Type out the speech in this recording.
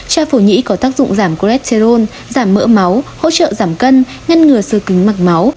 chai phủ nhĩ có tác dụng giảm cholesterol giảm mỡ máu hỗ trợ giảm cân ngăn ngừa sơ kính mặc máu